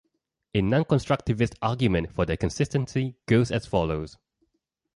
A non-constructivist argument for their consistency goes as follows.